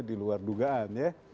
di luar dugaan ya